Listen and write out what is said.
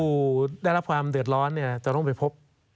ผู้ได้รับความเดือดร้อนเนี่ยจะต้องไปพบ